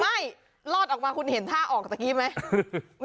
ไม่รอดออกมาคุณเห็นท่าออกสักทีไหม